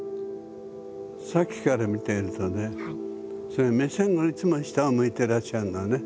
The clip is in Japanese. さっきから見てるとねそういう目線がいつも下を向いてらっしゃるのね。